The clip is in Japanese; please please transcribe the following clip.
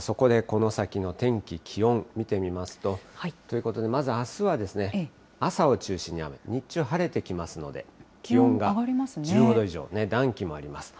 そこで、この先の天気、気温、見てみますと。ということで、まずあすは朝を中心に雨、日中晴れてきますので、気温が１５度以上、暖気もあります。